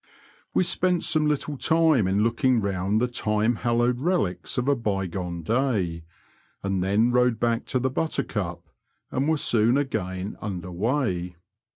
We spent some little time in looking round the time hallowed relics of a bygone day, and then rowed back to the Buttercup, and were soon again tinder weigh.